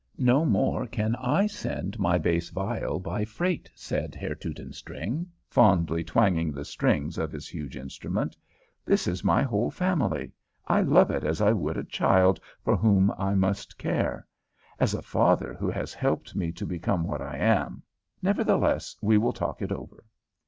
"No more can I send my bass viol by freight," said Herr Teutonstring, fondly twanging the strings of his huge instrument. "This is my whole family. I love it as I would a child for whom I must care; as a father who has helped me to become what I am. Nevertheless, we will talk it over."